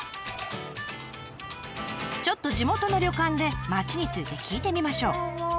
ちょっと地元の旅館で町について聞いてみましょう。